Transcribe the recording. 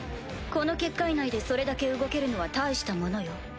この結界内でそれだけ動けるのは大したものよ。